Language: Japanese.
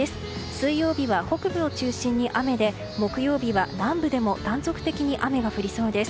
水曜日は北部を中心に雨で木曜日は南部でも断続的に雨が降りそうです。